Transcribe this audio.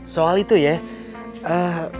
soal itu ya